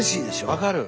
分かる。